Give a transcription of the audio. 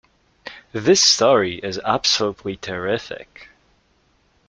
This story is absolutely terrific!